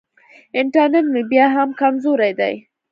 انټرنېټ مې بیا هم کمزوری دی.